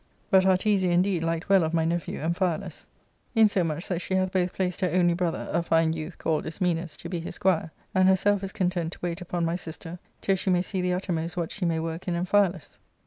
But Artesia indeed liked well of my nephew Amphialus, insomuch that she hath both placed her only brother, a fine youth^alled Isjneniis^to be his squire, and herself is contentlo wait upon my sister, till she may see the uttermost what she may work in Amphialus.